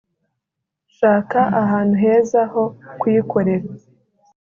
nshaka ahantu heza ho kuyikorera